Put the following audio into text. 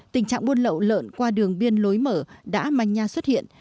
tình trạng buôn lậu lợn qua đường biên lối mở đã manh nha xuất hiện